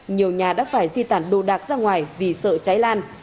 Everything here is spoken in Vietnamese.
nhiều nhà đã phải di tản đồ đạc ra ngoài vì sợ cháy lan